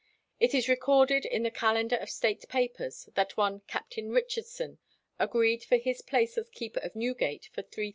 It is recorded in the Calendar of State Papers that one Captain Richardson agreed for his place as keeper of Newgate for £3,000.